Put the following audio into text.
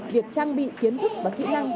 việc trang bị kiến thức và kỹ năng